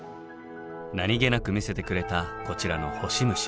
何気なく見せてくれたこちらのホシムシ。